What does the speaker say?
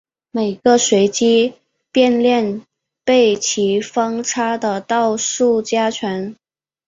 每个随机变量被其方差的倒数加权。